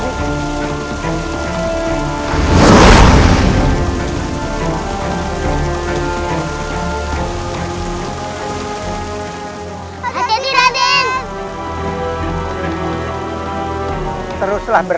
atau akan kubunuh kau sekalian